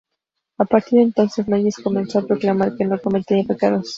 A partir de entonces Noyes comenzó a proclamar que no cometía pecados.